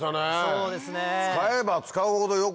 そうですね。